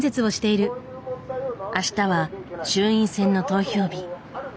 あしたは衆院選の投票日。